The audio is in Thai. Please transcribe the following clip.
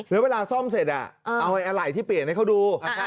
แล้วเวลาซ่อมเสร็จเอาอะไรที่เปลี่ยนให้เขาดู